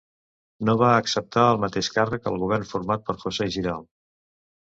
No va acceptar el mateix càrrec al govern format per José Giral.